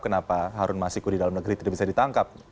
kenapa harun masiku di dalam negeri tidak bisa ditangkap